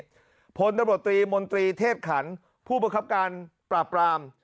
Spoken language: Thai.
วันนี้พลนบรตรีมนตรีเทศขัน์ผู้ประครับการปราบราม